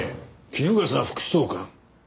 衣笠副総監。